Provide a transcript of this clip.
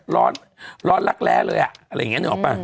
ร้อนรักแร้เลยอะ